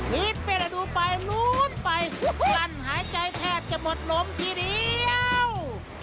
ไปละดูไปนู้นไปลั่นหายใจแทบจะหมดลมทีเดียว